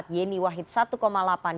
yeni wahid satu delapan